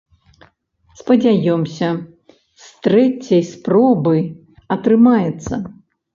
Спадзяёмся, з трэцяй спробы атрымаецца.